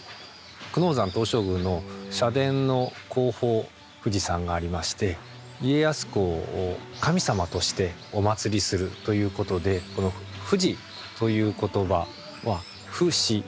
久能山東照宮の社殿の後方富士山がありまして家康公を神様としてお祀りするということでこの「富士」という言葉は「不死」